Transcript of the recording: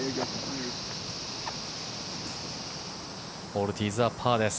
オルティーズはパーです。